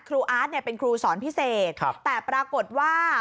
อาร์ตเนี่ยเป็นครูสอนพิเศษแต่ปรากฏว่า